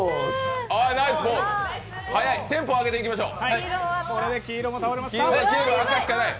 テンポ上げていきましょう。